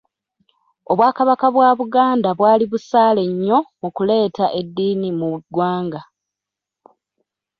Obwakabaka bwa Buganda bwali busaale nnyo mu kuleeta eddiini mu ggwanga.